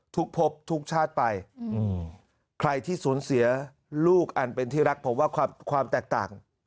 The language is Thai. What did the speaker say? พบทุกชาติไปใครที่สูญเสียลูกอันเป็นที่รักผมว่าความแตกต่าง